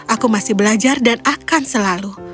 aku masih belajar dan akan selalu